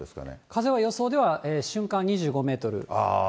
風は予想では瞬間２５メートル。